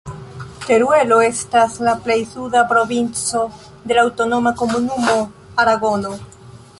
Teruelo estas la plej suda provinco de la Aŭtonoma Komunumo Aragono.